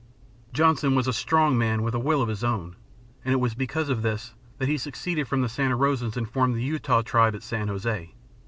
Johnson was a strong man, with a will of his own. And it was because of this that he seceded from the Santa Rosans and formed the Utah Tribe at San José.